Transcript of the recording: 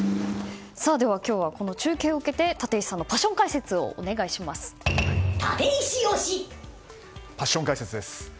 今日は、この中継を受けて立石さんのパッション解説をパッション解説です。